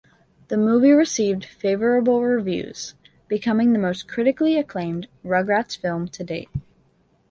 The movie received favorable reviews, becoming the most critically acclaimed "Rugrats" film to date.